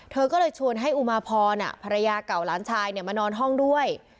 เธอก็เลยชวนให้อุมาพรภรรยาเก่าหลานชายมานอนห้องด้วย